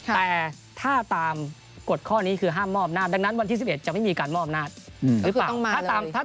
แต่ถ้าตามกฎข้อนี้คือห้ามมอบอำนาจดังนั้นวันที่๑๑จะไม่มีการมอบอำนาจหรือเปล่า